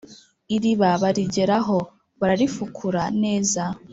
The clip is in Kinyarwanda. iriba barigeraho, bararifukura, neza